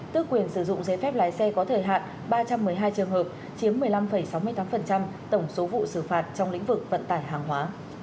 tước quyền sử dụng giấy phép lái xe có thời hạn ba trăm một mươi hai trường hợp chiếm một mươi năm sáu mươi tám tổng số vụ xử phạt trong lĩnh vực vận tải hàng hóa